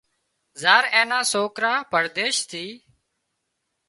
زار اين نا سوڪرا پرديس ٿي